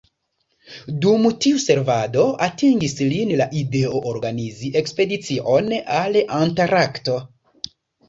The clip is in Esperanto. Dum tiu servado atingis lin la ideo organizi ekspedicion al Antarkto.